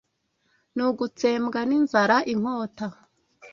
n’ugutsembwa n’inzara, inkota